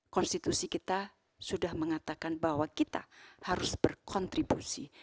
konstitusi kita sudah mengatakan bahwa kita harus berkontribusi